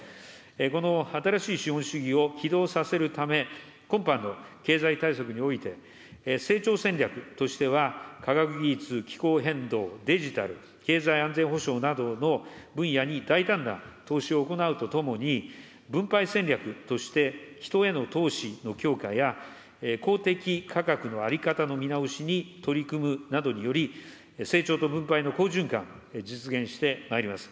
この新しい資本主義を起動させるため、今般の経済対策において、成長戦略としては、科学技術、気候変動、デジタル、経済安全保障などの分野に大胆な投資を行うとともに、分配戦略として人への投資の強化や、公的価格の在り方の見直しに取り組むなどにより、成長と分配の好循環、実現してまいります。